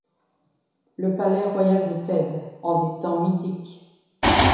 Le palais royal de Thèbes, en des temps mythiques.